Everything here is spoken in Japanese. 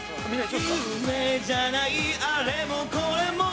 「夢じゃないあれもこれも」